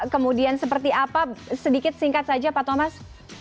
kemudian seperti apa sedikit singkat saja pak thomas